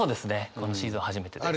このシーズン初めてです。